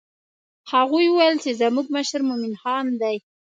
هغوی وویل چې زموږ مشر مومن خان دی.